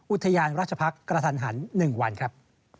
อุทยานราชพักษ์กระทันหัน๑วันครับ